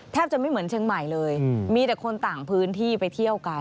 จะไม่เหมือนเชียงใหม่เลยมีแต่คนต่างพื้นที่ไปเที่ยวกัน